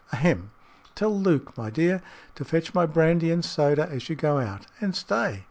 Ahem! Tell Luke, my dear, to fetch my brandy and soda as you go out. And, stay!